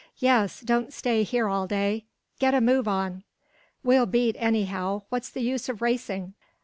"Yes; don't stay here all day." "Get a move on!" "We'll beat, anyhow, what's the use of racing?"